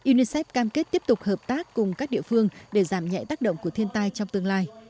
unicef cam kết tiếp tục hợp tác cùng các địa phương để giảm nhẹ tác động của thiên tai trong tương lai